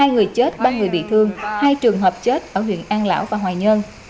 hai người chết ba người bị thương hai trường hợp chết ở huyện an lão và hoài nhơn